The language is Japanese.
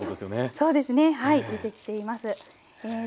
そうですねはい出てきています。